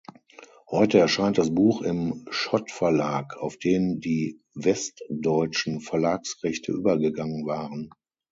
Heute erscheint das Buch im Schott-Verlag, auf den die westdeutschen Verlagsrechte übergegangen waren.